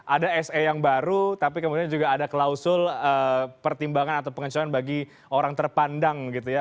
ada se yang baru tapi kemudian juga ada klausul pertimbangan atau pengecuan bagi orang terpandang gitu ya